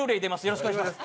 よろしくお願いします